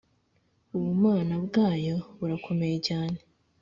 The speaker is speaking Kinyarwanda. Ubumana bwayo burakomeye cyane